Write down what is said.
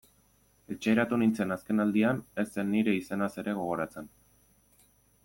Etxeratu nintzen azken aldian, ez zen nire izenaz ere gogoratzen...